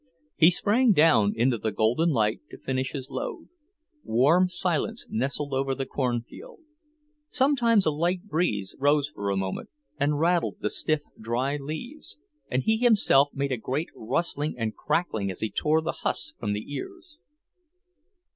He sprang down into the gold light to finish his load. Warm silence nestled over the cornfield. Sometimes a light breeze rose for a moment and rattled the stiff, dry leaves, and he himself made a great rustling and crackling as he tore the husks from the ears.